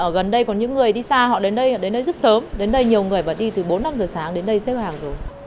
ở gần đây có những người đi xa họ đến đây rất sớm đến đây nhiều người đi từ bốn năm giờ sáng đến đây xếp hàng rồi